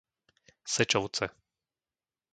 Sečovce